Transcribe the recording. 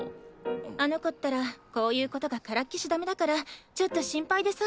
あの子ったらこういうことがからっきしダメだからちょっと心配でさ。